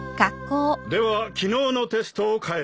では昨日のテストを返す。